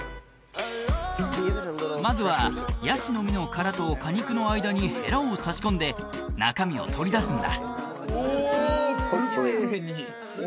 まずはヤシの実の殻と果肉の間にヘラを差し込んで中身を取り出すんだお！